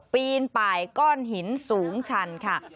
ปีนป่ายก้อนหินสูงชันค่ะ